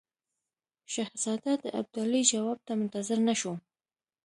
شهزاده د ابدالي جواب ته منتظر نه شو.